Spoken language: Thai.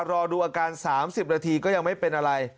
รอดูอาการ๓๐นาทีก็ยังไม่เป็นอะไร